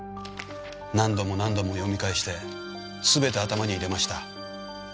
何度も何度も読み返して全て頭に入れました。